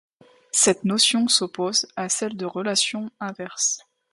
Cette notion s'oppose à celle de relation inverse.